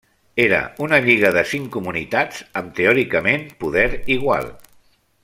Era una lliga de cinc comunitats amb teòricament poder igual.